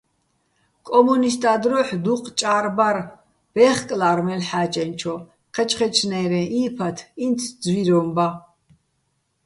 კო́მუნისტა́ დროჰ̦ დუჴ ჭა́რ ბარ, ბე́ხკლა́რ მელ'ჰ̦ა́ჭენჩო, ჴეჩჴეჩნაჲრეჼ, ი́ფათ, ინც ძვიროჼ ბა.